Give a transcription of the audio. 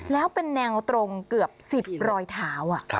แล้วเป็นแนวตรงเกือบ๑๐รอยเท้า